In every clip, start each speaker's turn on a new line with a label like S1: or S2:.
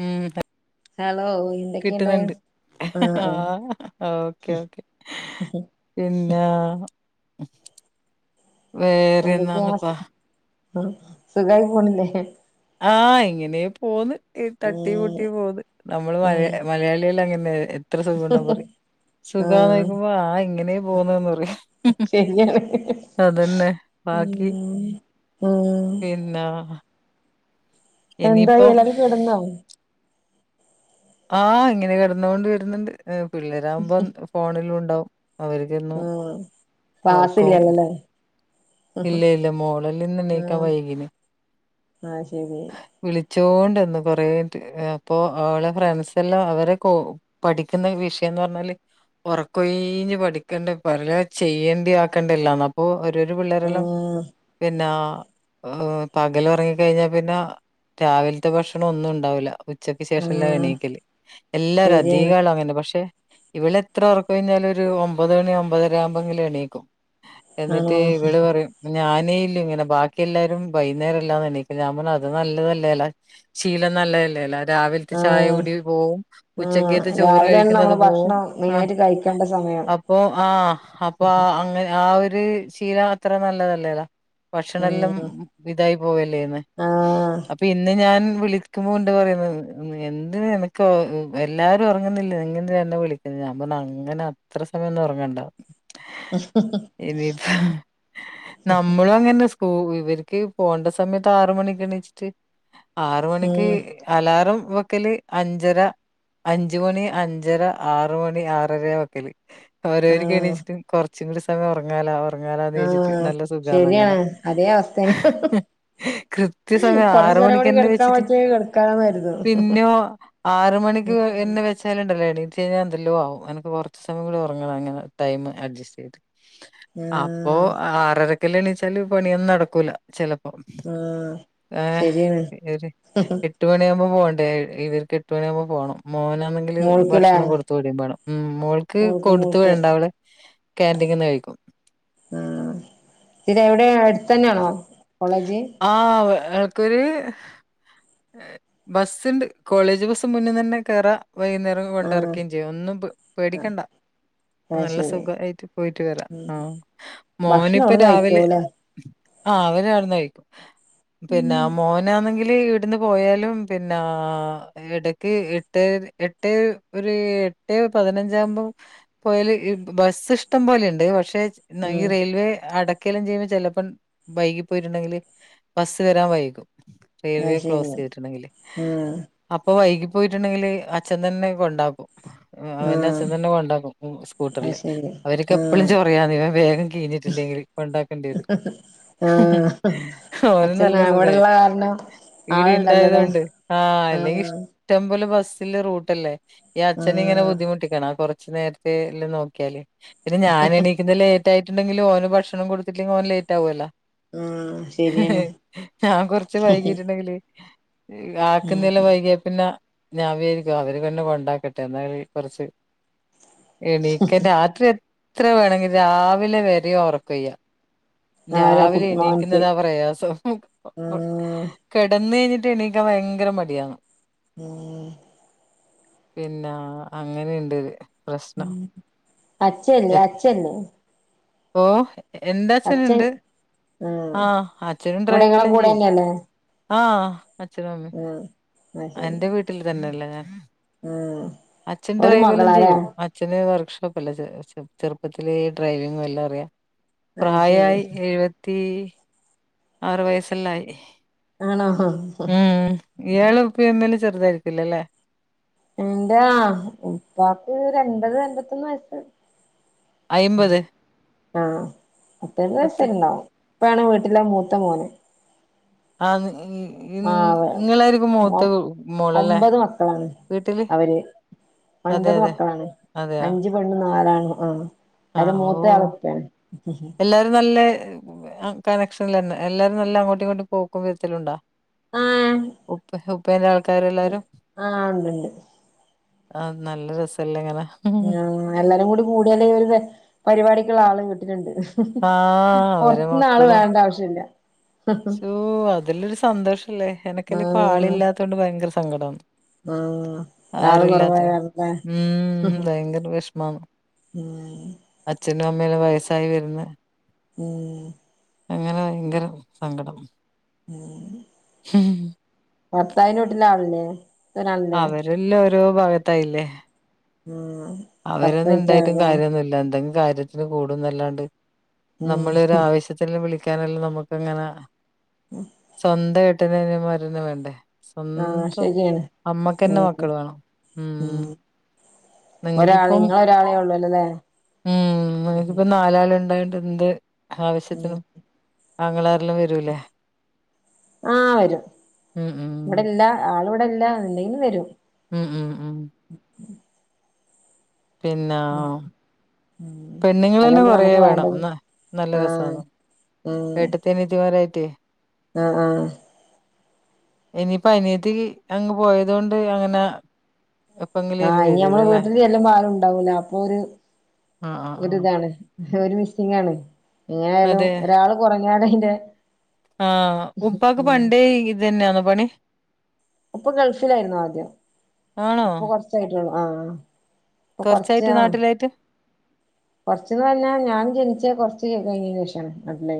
S1: ഉം
S2: ഹലോ എന്തൊക്കെയാണ്
S1: ആഹ് ഓക്കെ ഓക്കേ പിന്നാ
S2: എന്തൊക്കെയ ആ സുഖായി പോണില്ലേ
S1: ആഹ് ഇങ്ങനെ പോന്ന് ഈ തട്ടി
S2: ഉം
S1: മുട്ടി പോന്ന് നമ്മള് മലയാ
S2: ഉം
S1: മലയാളികൾ അങ്ങനെ എത്ര സുഖം ഉണ്ട പറയും സുഖമാന്നോന്നു
S2: ആഹ്
S1: ചോദിക്കുമ്പോ ആഹ് ഇങ്ങനെ പോന്നുന്ന് പറയും
S2: ശരിയാണ്
S1: അതന്നെ ബാക്കി
S2: ഉം ഉം
S1: പിന്നാ
S2: എന്തായി എല്ലാരും കെടന്നോ
S1: ആഹ് ഇങ്ങനെ കിടന്ന് കൊണ്ട് വരുന്നുണ്ട് പിള്ളേരാകുമ്പോ ഫോണിലും ഉണ്ടാവും അവര് വരുന്നു
S2: ഉം
S1: ഒർക്കോം
S2: ക്ലാസ്സില്ലല്ലോല്ലേ
S1: ഇല്ല
S2: ഉം
S1: ഇല്ല മോളല്ല ഇന്നെണീക്കാൻ
S2: ആഹ്
S1: വൈകിന്
S2: ശരി
S1: വിളിച്ചോണ്ടിന്ന് കൊറേ അപ്പൊ അവളെ ഫ്രണ്ട്സ് എല്ലാം അവരെ കോ പഠിക്കുന്ന വിഷയംന്ന് പറഞ്ഞാല് ഒറക്കൊയിഞ്ഞ് പഠിക്കേണ്ട പല ചെയ്യേണ്ടി ആക്കണ്ടല്ലന്ന അപ്പൊ ഒരു പിള്ളരെല്ലാം
S2: ഉം
S1: പിന്ന പകൽ ഒറങ്ങിക്കഴിഞ്ഞാ പിന്ന രാവിലത്തെ ഭക്ഷണ ഒന്നും ഉണ്ടാവില്ല ഉച്ചക്ക് ശേഷം എല്ലാം
S2: ഉം
S1: എണീക്കല് എല്ലാരും അധിക
S2: ശരിയാണ്
S1: കാലം അങ്ങനെ പക്ഷെ ഇവിടെ എത്ര ഉറക്കഒഴിഞ്ഞാലും ഒരു ഒമ്പത് മണി ഒമ്പതര ആവുമ്പോ എങ്കിലും എണീക്കും
S2: ആഹ്
S1: ഞാനേലും ഇങ്ങനെ ബാക്കി എല്ലാരും വൈകുന്നേരംഅല്ലാതെണീക്ക ഞാൻ പറഞ്ഞു അത് നല്ലതല്ലേല ശീലം നല്ലതല്ലേ ലെ രാവിലത്തെ
S2: ആഹ്
S1: ചായകുടി പോവും
S2: ആഹ്
S1: ഉച്ചക്കേത്ത ചോറ്
S2: രാവിലെയാണ്
S1: കഴിക്കുന്നത്
S2: നമ്മള്
S1: പോവും
S2: ഭക്ഷണം
S1: ആ
S2: മെയിനായിട്ട് കഴിക്കേണ്ട സമയം
S1: ആഹ് അപ്പൊ അങ്ങന ആ ഒര് ശീലം അത്ര നല്ലതല്ലേലാ ഭക്ഷണെല്ലാം
S2: ഉം
S1: ഇതായി പോവല്ലേന്ന്
S2: ആഹ്
S1: അപ്പൊ ഇന്ന് ഞാൻ വിളിക്കുമ്പോ കൊണ്ട് പറയുന്ന് എന്ത് എനക്ക് എല്ലാരും ഉറങ്ങുന്നില്ലേ നീയെന്തിനാ എന്നെ വിളിക്കുന്നത് ഞാൻ പറഞ്ഞു അങ്ങന അത്ര സമയംഒന്നും ഉറങ്ങണ്ട
S2: [unintelligible]
S1: ഇനിപ്പ നമ്മളും അങ്ങനെ സ്കൂ ഇവര്ക്ക് പോകേണ്ട സമയത്ത് ആറുമണിക്ക് എണീച്ചിട്ട് ആറ് മണിക്ക്
S2: ഉം
S1: അലാറം വെക്കല് അഞ്ചര അഞ്ച് മണി അഞ്ചര ആറു മണി ആറര വെക്കല് [unintelligible]
S2: ആഹ്
S1: എണീച്ചിട്ടും കുറച്ചും കൂടി സമയം ഉറങ്ങാലൊ അവ അങ്ങനാ നീച്ചിട്ട്
S2: ആഹ്
S1: നല്ല സുഖാന്നങ്ങന
S2: ശരിയാണ് അതേ അവസ്ഥേന
S1: കൃത്യ സമയം ആറ്
S2: കൊറച്ചേരം കൂടി
S1: മണിക്കെന്നെ
S2: കെടക്കാൻ
S1: വെച്ചിട്ട്
S2: പറ്റിയ കെടക്കാന്ന് കരുതും
S1: പിന്നോ? ആറ് മണിക്ക് പിന്നെ വെ ചേലാണ്ടാല്ലോ എണീച്ചു കഴിഞ്ഞാലുണ്ടല്ലോ എനക്ക് കൊറച്ച് സമയം കൂടി ഉറങ്ങണം ങ്ങനെ ടൈമ് അഡ്ജെസ്റ്റ് ചെയ്ത്. അപ്പൊ
S2: ആഹ്
S1: ആറരക്കെല്ലാം എണീച്ചാല് പണിയൊന്നും നടക്കൂല. ചെലപ്പോ
S2: ആഹ്
S1: ആഹ്
S2: ശരിയാണ്
S1: എര് എട്ട്മണിയാകുമ്പോ പോണ്ടേ ഇവർക്ക് എട്ട്ണിയകുമ്പോ പോണം മോനാനെ ങ്കില്
S2: മോൾക്ക്ല്ലേ
S1: ഭക്ഷണം കൊട്ത് വിടിം വേണം മം മോൾക്ക് കൊടുത്ത് വേണ്ട അവള് ക്ന്റീങ്ന്ന് കഴിക്കും.
S2: ആഹ് ഇത് എവിടെ അടുത്തെന്നെയാണോ കോളേജ്?
S1: ആഹ് ഏൾക്കൊര് ബസ്സ്ണ്ട് കോളേജ് ബസ് മുന്ന്ന്നെന്നെ കേറാ വൈകുന്നേര വ്
S2: ആഹ്
S1: കൊണ്ടറക്കേം ചെയ്യും ഒന്നും പ്
S2: ആഹ്
S1: പേടിക്കണ്ട.
S2: അത്
S1: നല്ല
S2: ശരി
S1: സുഖയിട്ട് പോയിട്ട് വെരാം ആഹ്
S2: ഭക്ഷണം
S1: മോനിപ്പോ
S2: അവിടുന്ന്
S1: രാവിലെ
S2: കഴിക്കോല്ലേ
S1: ആഹ് അവര് അവിടുന്ന് കഴിക്കും. പിന്നെ മോനാന്നെങ്കില് ഇവിടുന്ന് പോയാലും പിന്നെ എടക്ക് എട്ട് എട്ട് ഒര് എട്ടേ പതിനഞ്ചാകുമ്പോ പോയല് ഇ ബസ്സ് ഇഷ്ടം പോലെയിണ്ട് പക്ഷെ ഇന്ന ഈ
S2: ഉം
S1: റെയിൽവേ അടക്യലും ചെയ്യുമ്പോൾ ചെലപ്പം വൈകി പോയിട്ടുണ്ടെങ്കില് ബസ്സ് വെരാൻ വൈകും
S2: അത്
S1: റെയിൽവേ
S2: ശരി
S1: ക്ലോസ് ചെയ്തിട്ടുണ്ടെങ്കില്.
S2: ആഹ്
S1: അപ്പൊ വൈകി പോയിട്ടുണ്ടെങ്കില് അച്ഛൻ തെന്നെ കൊണ്ടാക്കും മ്ഹ് അവന്റെ
S2: ആഹ്
S1: അച്ഛൻതെന്നെ കൊണ്ടാക്കും മ്
S2: അത്
S1: സ്കൂട്ടറില്.
S2: ശരി
S1: അവർക്ക് എപ്പോഴും
S2: ആഹ്
S1: ചൊറയാന്ന് വേഗം കീഞ്ഞിട്ടില്ലെങ്കിൽ കൊണ്ടാക്കേണ്ടിവെരും.
S2: ആഹ്
S1: ഓനും
S2: അച്ഛൻ
S1: നല്ല സുഖായി
S2: ഇവിടെള്ള കാരണം ആളുണ്ടല്ലോല്ലേ
S1: ഈടെയിണ്ടായതോണ്ട് ആഹ് ഇല്ലെങ്കി ഇശ് ഷ്ടമ്പോലെ ബസ്സില റൂട്ടല്ലേ ഈ അച്ഛനെ ഇങ്ങനെ
S2: ആഹ്
S1: ബുദ്ധിമുട്ടി ക്കണോ കൊറച്ച് നേരെത്തെ എല്ലം നോക്കിയാല് പിന്നെ ഞാൻ എണീക്ക്ന്ന ലേ റ്റായിട്ടുണ്ടെങ്കില് ഓന് ഭക്ഷണം കൊടുത്തിട്ടെങ്കിൽ ഓൻ ലേറ്റ് ആകുവല്ലോ?
S2: ആഹ് ശരിയാണ്
S1: ഞാൻ കൊറ്ച്ച് വൈകിട്ടുണ്ടെങ്കില് ഹ് ആക്കുന്നെല്ലാം വൈകിയ പിന്നെ ഞാവിചാരികും അവര് തെന്നെ കൊണ്ടാക്കട്ടെ എന്നാ വി കൊറച്ച് എണീക്കാൻ രാത്രി എത്ര വേണെങ്കിൽ രാവിലെ വരെ ഒറക്കൊയ്യ
S2: ആരാ കു
S1: രാവിലെ
S2: മോൻക്ക്
S1: എണീക്കുന്നതാ പ്രയാസം.
S2: ആഹ്
S1: കെടന്നഴിഞ്ഞിട്ട് എണീക്കാൻ ഭയങ്കര മടിയാന്ന്.
S2: മ്ഹ്
S1: പിന്നാ അങ്ങനെയുണ്ടൊരു.
S2: മ്ഹ് അഛല്ലേ അച്ഛല്ലേ?
S1: ഓ എന്റെ
S2: അച്ഛൻ
S1: അച്ഛന്ണ്ട്. ആഹ് അച്ഛനും
S2: ഇവിടെ ഇങ്ങളെ
S1: ഡ്രൈവെല്ലാം ചെയ്യും
S2: കൂടെന്നെല്ലേ
S1: ആഹ് അച്ഛനും അമ്മി
S2: ആഹ് അത് ശരി
S1: എന്റെ വീട്ടിൽ തന്നെയല്ലേ ഞാൻ
S2: ആഹ്
S1: അച്ഛൻ
S2: ഒരു
S1: ഡ്രൈവെല്ലാം
S2: മകളാല്ലേ
S1: ചെയ്യും അ അച്ഛന് വർക്ക്ഷോപ്പല്ലേ ചെ ചെറുപ്പത്തിലേ ഡ്രൈവിംങ്ങും എല്ലാം അറിയാം.
S2: അത് ശരി
S1: പ്രായായി എഴുപത്തീ ആറ് വയസ്സെല്ലായി.
S2: ആണോ?
S1: ഇയാളെ ഉപ്പി എന്നാലും ചറുതായിരിക്കില്ലല്ലേ?
S2: എന്റെ ഉപ്പാക്ക് രണ്ടര എൺപത്തൊന്ന് വയസ്സ്
S1: അയിമ്പത്
S2: ആഹ് [unintelligible]
S1: പത്ത്
S2: ഉപ്പാണ് വീട്ടിലെ മൂത്ത മോന്
S1: ആന്ന് ഈ ഇ
S2: ആഹ്
S1: ഇങ്ങളായിരിക്കും
S2: ഒ
S1: മൂത്ത മോള് ല്ലെ
S2: ഒമ്പത് മക്കളാണ്
S1: വീട്ടില്?
S2: അവര്
S1: അതെ, അതെ, അതെയ
S2: പെണ്ണ് നാലാണ് ആ
S1: ആ
S2: അയ്ല്
S1: ഓ
S2: മൂത്തെയാൾ ഉപ്പെണ്.
S1: എല്ലാരും നല്ല കണക്ഷനിൽ ലെന്നെ എല്ലാരും നല്ല അങ്ങോട്ടും ഇങ്ങോട്ടും പോക്കും വെര്ത്തലുണ്ടോ?
S2: ആഹ്
S1: ഉപ്പേ ഉപ്പേന്റെ ആൾക്കാരെല്ലാരും
S2: ആഹ് ഉണ്ട്ണ്ട്
S1: ആഹ് നല്ല രസല്ലങ്ങനെ
S2: ആഹ് എല്ലാരും കൂടി കുടിയല് ഒരു പരിപാടിക്ക്ള്ള ആള് വീട്ടില്ണ്ട്
S1: ആ അവരെ
S2: പൊറത്തുന്ന് ആള്
S1: മക്കളും
S2: വേണ്ട ആവശ്യ ല്ല
S1: ശോ അതിലൊരു സന്തോഷല്ലേ എനക്കല്ലപ്പൊ ആളില്ലാത്തോണ്ട് ഭയങ്കര സങ്കടഅന്ന്
S2: ആ ആള് കൊറവായ
S1: ഉം
S2: [unintelligible]
S1: ഭയങ്കര വിഷമാണ്
S2: ഉം
S1: അച്ഛനും അമ്മയുംയെല്ലാം വയസ്സായി വരുന്ന
S2: ഉം
S1: അങ്ങനെ ഭയങ്കര സങ്കടം
S2: ഭർത്താവിൻ്റെ വീട്ടിലളില്ലേ ആളല്ലേ
S1: എല്ലോ ഓരോ ഭാഗത്തായില്ലേ
S2: ആഹ്
S1: അവരൊന്നും ഉണ്ടായിട്ടും കാര്യമൊന്നുമില്ല എന്തെങ്കിലും കാര്യത്തിന് കുടുമെന്നല്ലാണ്ട്
S2: ഉം
S1: നമ്മളൊരാവശ്യ ശ്വത്തിന് വിളിക്കാനെല്ലാം നമുക്ങ്ങനാ സ്വന്തം ഏട്ടനും അനിയന്മാരും വേണ്ടേ
S2: ആഹ്
S1: സ്വന്തം
S2: ശരിയാണ്
S1: അമ്മക്കന്നെ
S2: ഉം
S1: മക്കള് വേണം ഉം
S2: ഒരാള്
S1: നിങ്ങക്കിപ്പം
S2: ഇങ്ങളൊരാളെ ഒള്ളൂലല്ലേ
S1: ഉം നിങ്ങകിപ്പം നാലുആള് ഉണ്ടായൊണ്ട് ന്ത്
S2: ഉം
S1: ആവശ്യത്തിനും അങ്ങിളമാരോക്ക വരൂല്ലേ
S2: ആ വരും ഇവിടെല്ല ആൾഇവിടില്ല ഇണ്ടാകി വരും
S1: ഉം ഉം ഉം പിന്നാ
S2: അതല്ലേ നമുക്ക്
S1: വേണം
S2: വേണ്ടത്
S1: എന്നാ നല്ല
S2: ആഹ്
S1: രസാണ്
S2: ആഹ്
S1: [unintelligible]
S2: ആഹ് ആഹ്
S1: ഇനിപ്പോ അനിയത്തി അങ്ങ് പോയതുകൊണ്ട് അങ്ങനെ
S2: ആ
S1: എപ്പെങ്കിലും
S2: ഇനി
S1: വരൂല
S2: ഞമ്മൾ
S1: അല്ലേ
S2: വീട്ടിൽ ചെല്ലുമ്പോളാരുണ്ടാവൂല അപ്പൊ രു
S1: ആഹ് ആഹ് ആഹ്
S2: ഒരിതാണ് ഒരു മിസ്സിങ്ങാണ് എങ്ങനായാലും
S1: അതെ
S2: ഒരാള് കൊറഞ്ഞാലയിൻ്റെ
S1: ആ ഉപ്പാക്ക്പണ്ടേ ഇത് തന്നആണോ പണി
S2: ഉപ്പ ഗൾഫിലാർന്ന് ആദ്യം
S1: ആണോ
S2: ഇപ്പൊ കൊറച്ചായിട്ടള്ളു ആഹ് ഇപ്പൊ
S1: കൊറച്ചായിട്ട്
S2: കൊറച്ചാ
S1: നാട്ടിലായിട്ട്
S2: കൊറച്ചന്ന് പറഞ്ഞാൽ ഞാൻ ജനിച്ച കൊറച്ച് കഴിഞ്ഞത്തിനു ശേഷാണ് നാട്ടില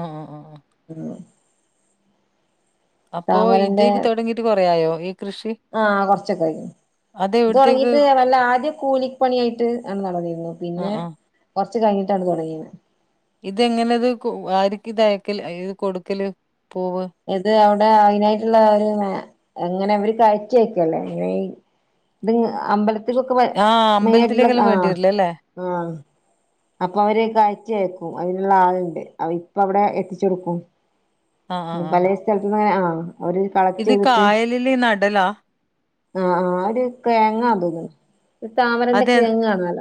S1: ആഹ് ആഹ് ആഹ്
S2: ആഹ്
S1: അപ്പൊ ഇത്
S2: താമരേന്റെ
S1: തൊടങ്ങിട്ട് കൊറേ ആയോ ഈ കൃഷി
S2: ആ കൊറച്ചൊക്ക കഴിഞ്ഞ്
S1: അത്
S2: ഇത്
S1: എവിടത്തേക്ക്
S2: തൊടങ്ങിട്ട് വല്ല ആദ്യ കൂലി പണിയായിട്ട് ആണ് തൊടങിയിരുന്ന പിന്നെ
S1: ആഹ് ആഹ്
S2: കൊറച്ച് കഴിഞ്ഞിട്ടാണ് തൊടങ്ങിയ
S1: ഇതെങ്ങനെത് കു ആർക്ക് ത് അയക്കല് ഇത് കൊടുക്കല് പോവാ
S2: ഇത് അവിടെ അയിനായിട്ട് ഉള്ള ഒരു എങ്ങനെ അവര് കയറ്റി അയക്കല്ലേ എങ്ങനെ ഇത് അമ്പലത്തിക്കൊക്കെ വ
S1: ആഹ്
S2: മേളില്
S1: അമ്പലത്തിലേക്കെല്ലാം വേണ്ടി
S2: ആഹ്
S1: വരില്ലേ അല്ലേ
S2: ആഹ് അപ്പോവർ കയറ്റി അയക്കും അയ്നുള്ള ആളുണ്ട് ഇപ്പ അവിടെ എത്തിച്ച് കൊടുക്കും
S1: ആഹ് ആഹ് ആഹ്
S2: പലസ്ഥലത്തന്ന് ആ അവര് കളക്ട്
S1: ഇത്
S2: ചെയ്തിട്ട്
S1: കായലില് നടലാ
S2: ആഹ് ആഹ് അഒര് കെയങ്ങാ തോന്നുണ്
S1: അതെ അ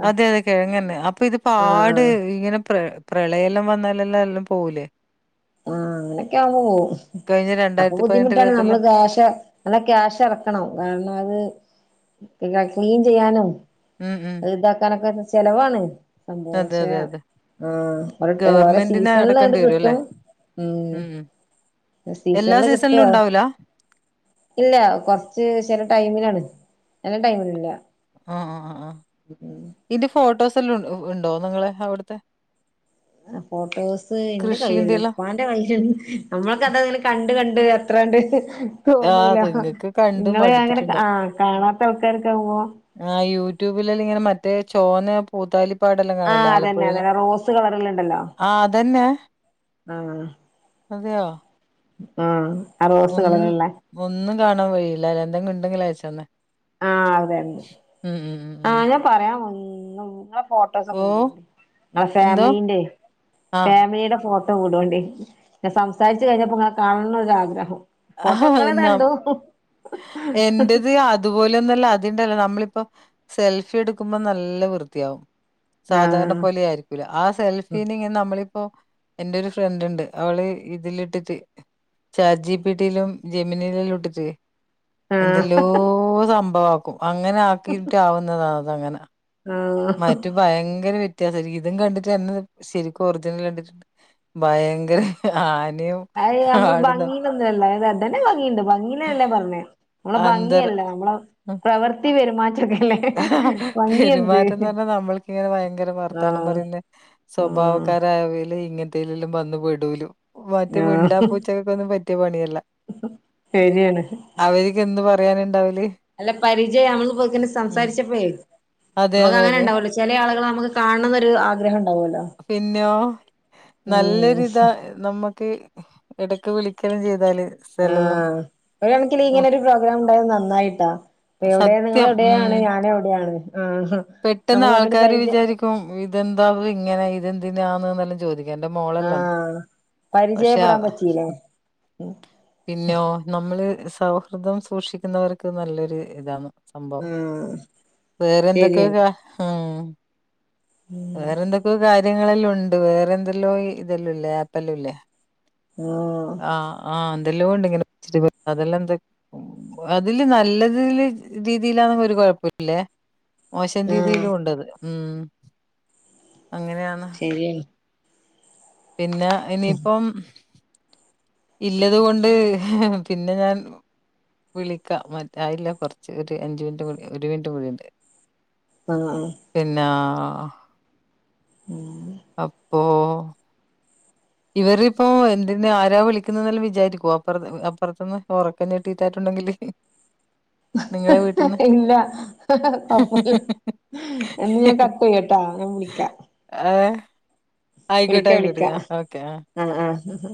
S1: അതെ കിഴങ്ങന്നെ. അപ്പ ഇത്
S2: ആഹ്
S1: പാട്
S2: ആഹ്
S1: ഇങ്ങനെ പ്ര പ്രളയല്ലം വന്നാലല്ലാം ല്ലും പോവൂലേ
S2: ആ അങ്ങനൊക്കാവുമ്പോ പോവു
S1: കഴിഞ്ഞ
S2: അപ്പൊ ബുദ്ധിമുട്ടായാലു നമ്മള് കാശ നല്ല ക്യാഷ് ഇറക്കണം കാരണം അത് പിന്നെ ക്ലീൻ ചെയ്യാനും
S1: ഉം ഉം
S2: ന്തക്കാനോക്കേ ചെലവാണ്
S1: അതെ, അതെ,
S2: സന്തോഷം
S1: അതെ.
S2: ആഹ് ഒറ്റകാല
S1: ഗവൺമെന്റിന്
S2: സീസണാലിലായൊണ്ട്
S1: അടക്കേണ്ടി വരും അല്ലേ?
S2: കിട്ടും ഉം
S1: എല്ലാ
S2: സീസണിൽ കിട്ടോ
S1: സീസണിലും ഉണ്ടാവൂല?
S2: ഇല്ല കൊറച്ച് ചില ടൈമിലാണ് ചില ടൈമിലില്ല
S1: ആഹ് ആഹ് ആഹ് ആഹ് ഇന്റെ ഫോട്ടോസ് എല്ലാം ഉണ്ടോ നിങ്ങളെ അവിടുത്തെ
S2: ഫോട്ടോസ് ന്റെ
S1: കൃഷീന്റെ
S2: കൈയ്യ്ല്ല
S1: എല്ലാം?
S2: പ്പാൻ [unintelligible] നമ്മളൊക്കെ അതങ്ങനെ കണ്ട് കണ്ട് അത്രാണ്ട്
S1: ആ
S2: തോന്നൂല
S1: അത്
S2: ഹ
S1: നിങ്ങക്ക് കണ്ട്
S2: ഇങ്ങള് അങ്ങനെ
S1: മടുത്തിട്ടുണ്ടാവും.
S2: ആഹ് കാണാത്ത ആൾക്കാരക്കെ ആവുമ്പോ
S1: ആഹ് യൂട്യൂബിൽ ല്ലം ഇങ്ങനെ മറ്റേ ചോന്ന പൂത്താലിപ്പാടെല്ലാം
S2: ആ
S1: കാണല്ലാ
S2: അതന്നെ
S1: ആലപ്പുഴെല്ലാം
S2: അതന്നെ റോസ്
S1: ആഹ് അതന്നെ
S2: ആഹ്
S1: അതെയോ?
S2: ആഹ്
S1: ഒന്ന്
S2: ആറോസുകളറ്ള്ളേ
S1: ഒന്നും കാണാൻ വഴയില്ല എന്തെങ്കും ണ്ടെങ്കിലയച്ച ന്നാ
S2: ആഹ് അതന്നെ
S1: ഉം, ഉം.
S2: ആഹ് ഞാൻ പറയാൻ വന്നും ഇങ
S1: ഓ
S2: ഫോട്ടോസൊക്കെ വിടൂ ഇങ്ങളെ
S1: എന്തോ
S2: ഫാമിലിന്റെ
S1: ആഹ്
S2: ഫാമിലീടെ ഫോട്ടോ ട്ടം വിടോണ്ടി. ഞാൻ സംസാരിച്ച് കഴിഞ്ഞപ്പോ ങ്ങളെ കാണണം ന്നൊരാഗ്രഹം ഫോട്ടോ
S1: ആഹ് നം
S2: ങ്ങളെന്നൊണ്ടു ഉം
S1: എന്റത് അത് തുപോലൊന്നല്ല, അതിണ്ടല്ലോ നമ്മളിപ്പോ സെൽഫി എടുക്കുമ്പോ നല്ല വൃത്തിയാവും സാധാര്ണ
S2: ആ
S1: പോലെയായിരിക്കും ആ സെൽഫീനങ്ങനെ നമ്മളിപ്പോ എന്റെ ഒരു ഫ്രണ്ട് ണ്ട് അവള് ഇതിലിട്ടിട്ട് ചാറ്റ്ജിപിടി ലും ജമിനീലെ ല്ലും ഇട്ടിട്ടേ എന്തെല്ലോ സംഭവാക്കും അങ്ങനെ ആക്കിയിട്ട് ആവുന്നതാ അത ങ്ങനെ
S2: ആഹ് ഹ ഹ്
S1: ഭയങ്കര വ്യത്യാസയിരിക്കും. ഇതും കണ്ടിട്ട്ന്നെ ശരിക്കും ഒറിജിനലണ്ടിട്ടുണ്ട് ഭയങ്കര ഹ്ഹ ആനയും
S2: അഅ് അമ്മള്
S1: ആടും തമ്മി
S2: ഭംഗീലൊന്നുഅല്ല ഇതെന്നെ ഭംഗിണ്ട് ഭംഗീനല്ല ഞാൻ പറഞ്ഞേ മ്മളെ ഭംഗിയല്ല
S1: അന്തരം
S2: നമ്മളെ പ്രവൃത്തി പെരുമാറ്റൊക്കല്ലേ
S1: ആഹ് ഹ ഹ പെരുമാറ്റംന്ന് പറഞ്ഞാ നമ്മൾക്കിങ്ങനെ ഭയങ്കര വർത്താനം
S2: ആഹ്
S1: പറൽല്ലേ
S2: ആഹ്
S1: സ്വഭാവക്കാരായവൽ ഇങ്ങൻത്തെലെല്ലും വന്നു പെടൂലു മറ്റ്
S2: ആഹ്
S1: മിണ്ടാ പൂച്ചകക്കൊന്നും പറ്റിയ പണിയല്ല
S2: ശരിയാണ്
S1: അവര്ക്ക് എന്ത് പറയാന്ണ്ടാവല്
S2: അല്ല പരിചയ നമ്മള്പോങ്ങനെ സംസാരിച്ചപ്പെയ്
S1: അതെ
S2: നമുക്ക്
S1: അതെ
S2: അങ്ങനെ
S1: അതെ
S2: ണ്ടാവുല്ലോ ചില ആളുകളെ നമുക്ക് കാണ്ണംന്നൊരു ആഗ്രഹം ണ്ടാവുല്ലോ
S1: പിന്നോ നല്ലൊരിതാ നമ്മക്ക് എടക്ക് വിളിക്കല്ലൊം ചെയ്താല് സ്ഥലെല്ലാം
S2: ആഹ് ഒരൺകിന്
S1: നോക്കി
S2: ഇങ്ങനൊരു പ്രോഗ്രാം ഉണ്ടായത് നന്നായിട്ടാ എവിടേയാണ് ങ്ങള്
S1: സത്യം
S2: എവിടേയാണ്
S1: ഉം
S2: ഞാനും എവിടേയാണ് ആഹ്
S1: പെട്ടെന്ന്
S2: നമ്മൾ തമ്മില്
S1: ആൾക്കാര്
S2: പരിചയം
S1: വിചാരിക്കും, ഇതെന്താത്ങ്ങനെ ഇതെന്തിനാന്ന് ന്നല്ലൊം ചോദിക്കും എന്റെ മോളെല്ലം
S2: ആഹ്
S1: പക്ഷെ
S2: പരിചയപ്പെടാൻ പറ്റീല്ലേ
S1: പിന്നോ നമ്മള് സൗഹൃദം സൂക്ഷിക്കുന്നവർക്ക് നല്ലൊരു ഇതാന്ന് സംഭവം
S2: ആഹ് ശരിയാണ്
S1: വേറെന്തൊക്കെയോ ഹ്ഉം വേറെന്തൊക്ക കാര്യങ്ങളെല്ലാം ഉണ്ട് വേറെ എന്തെല്ലോ ഇതെല്ല്ല്ലാ ആപ്പല്ലും ഇല്ലേ
S2: ആഹ്
S1: ആഹ് ആഹ് ന്തെല്ലോണ്ട് ഇങ്ങനെ സ്റ്റ അതെല്ലാം എന്ത അതില് നല്ലതില് രീതിയിലാന്നെങ്കി ഒരു കൊഴപ്പുല്ലേ മോശം
S2: ആഹ്
S1: രീതിയിലും ഉണ്ടത് ഉം അങ്ങനെയാന്ന്! ! ! ! ! ! ! ! ! !
S2: എയ് [unintelligible]
S1: പിന്നെ ഇനിയിപ്പം ഇല്ലത്കൊണ്ട് ഹ് ഹ് പിന്നെ ഞാൻ വിളിക്ക മറ്റെആയില്ല കൊർച്ച് ഒരു അഞ്ച് മിനിറ്റും കൂടി ഒരു മിനിറ്റും കൂടിണ്ട്
S2: ആഹ് ആഹ്
S1: പിന്നെ
S2: ഉം
S1: അപ്പോ ഇവരിപ്പോ എന്ത്ന്ന് ആരാ വിളിക്കുന്നെല്ലാം വിചാരിക്കോ അപ്പുറ അപ്പറത്ത്ന്ന് ഉറക്കം [unintelligible] ട്ടെറ്റണ്ടെങ്കില്
S2: ഇല്ല [unintelligible] എന്നാ ഞാൻ കട്ട് ചെയ്യട്ടാ ഞാൻവിളിക്കാ
S1: ആഹ്
S2: വിളിക്ക
S1: ആയിക്കോട്ടെ
S2: വിളിക്ക
S1: ആയിക്കോട്ടെ ഓക്കെ
S2: ആഹ് ആഹ്